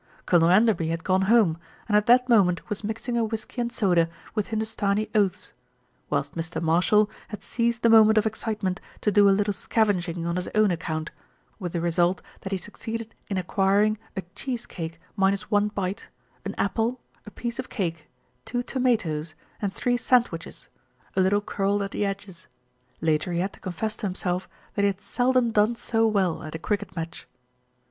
Colonel Enderby had gone home, and at that mo ment was mixing a whisky and soda with Hindustani oaths; whilst Mr. Marshall had seized the moment of excitement to do a little scavenging on his own account, with the result that he succeeded in acquiring a cheese cake minus one bite, an apple, a piece of cake, two tomatoes, and three sandwiches, a little curled at the edges. Later he had to confess to himself that he had seldom done so well at a cricket match.